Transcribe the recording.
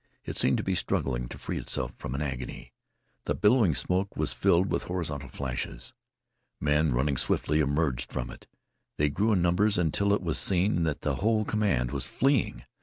It seemed to be struggling to free itself from an agony. The billowing smoke was filled with horizontal flashes. Men running swiftly emerged from it. They grew in numbers until it was seen that the whole command was fleeing.